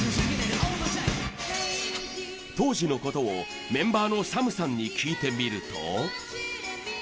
当時の事をメンバーのＳＡＭさんに聞いてみると。